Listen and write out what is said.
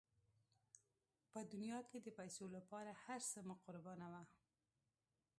په دنیا کې د پیسو لپاره هر څه مه قربانوه.